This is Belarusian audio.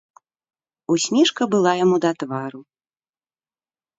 Усмешка была яму да твару.